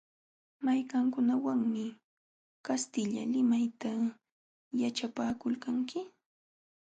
¿Mayqankunawanmi kastilla limayta yaćhapakulqanki?